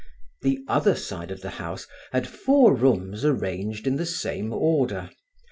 The other side of the house had four rooms arranged in the same order.